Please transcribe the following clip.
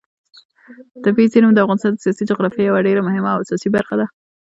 طبیعي زیرمې د افغانستان د سیاسي جغرافیې یوه ډېره مهمه او اساسي برخه ده.